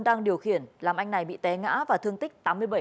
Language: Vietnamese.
đang điều khiển làm anh này bị té ngã và thương tích tám mươi bảy